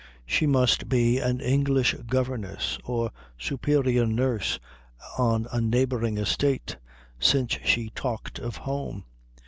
She must be an English governess or superior nurse on a neighbouring estate since she talked of home.